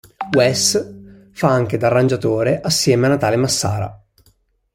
Wess fa anche da arrangiatore assieme a Natale Massara.